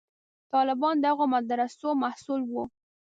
طالبان د هغو مدرسو محصول وو.